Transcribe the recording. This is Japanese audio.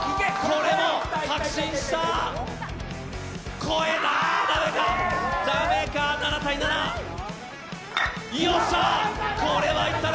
これも確信した、超えた！